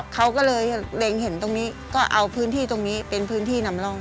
เขาก็เลยเล็งเห็นตรงนี้ก็เอาพื้นที่ตรงนี้เป็นพื้นที่นำร่อง